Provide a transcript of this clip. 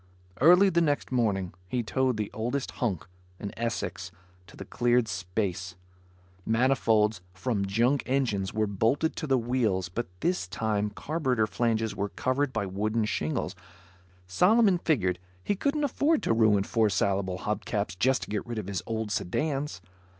Early the next morning, he towed the oldest hulk, an Essex, to the cleared space. Manifolds from junk engines were bolted to the wheels but this time carburetor flanges were covered by wooden shingles because Solomon figured he couldn't afford to ruin four salable hub caps just to get rid of his old sedans.